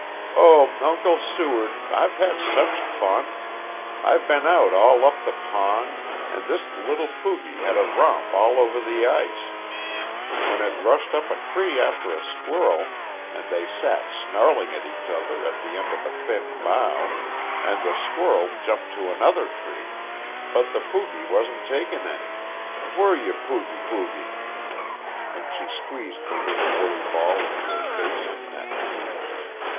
"Oh Uncle Seward, I've had such fun. I've been out all up the pond, and this little poogie had a romp all over the ice. Then it rushed up a tree after a squirrel, and they sat snarling at each other at the end of a thin bough, and the squirrel jumped to another tree, but the poogie wasn't taking any. Were you, pooge pooge?" And she squeezed the little woolly ball into her face and neck.